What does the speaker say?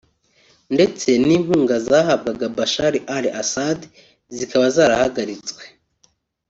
ndetse n’inkunga zahabwaga Bashar al assad zikaba zarahagaritswe